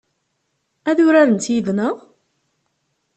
Ad urarent yid-neɣ?